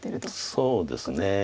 そうですね